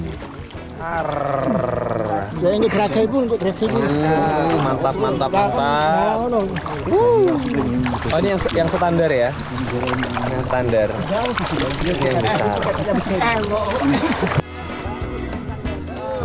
oh ini yang standar ya